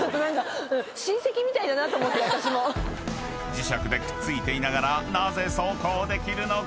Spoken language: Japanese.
［磁石でくっついていながらなぜ走行できるのか？］